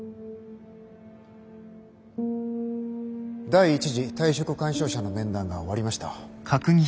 第一次退職勧奨者の面談が終わりました。